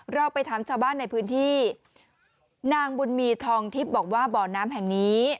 เราไปถามชาวบ้านในพื้นที่นางบุญมีทองทิพย์บอกว่าบ่อน้ำแห่งนี้